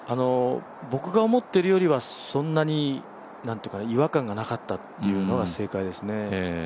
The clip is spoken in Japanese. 僕が思っているよりは、そんなに違和感がなかったというのが正解ですね。